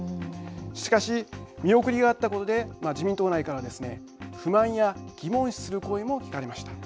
しかし、見送りがあったことで自民党内からはですね不満や疑問視する声も聞かれました。